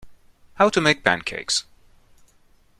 How to make pancakes.